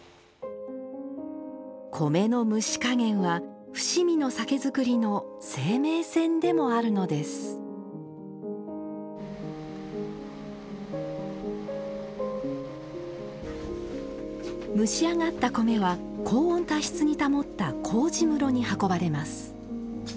米の蒸し加減は伏見の酒造りの生命線でもあるのです蒸し上がった米は高温多湿に保った麹室に運ばれます。